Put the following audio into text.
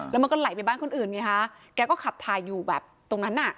แล้วมันก็ไหลไปบ้านคนอื่นไงฮะแกก็ขับถ่ายอยู่แบบตรงนั้นน่ะ